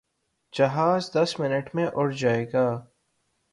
جہاز دس منٹ میں اڑ جائے گا۔